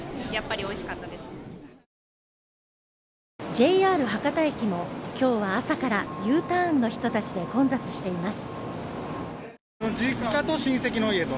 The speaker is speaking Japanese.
ＪＲ博多駅も今日は朝からＵターンの人たちで混雑しています。